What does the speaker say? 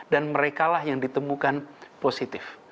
dan merekalah yang ditemukan positif